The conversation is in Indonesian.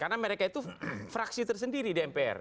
karena mereka itu fraksi tersendiri di mpr